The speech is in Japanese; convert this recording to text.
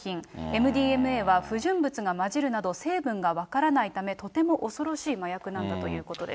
ＭＤＭＡは、不純物が混じるなど、成分が分からないため、とても恐ろしい麻薬なんだということです。